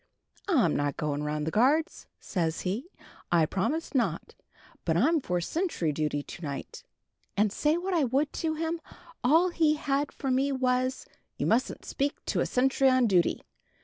'I'm not going round the guards,' says he; 'I promised not. But I'm for sentry duty to night.' And say what I would to him, all he had for me was, 'You mustn't speak to a sentry on duty.'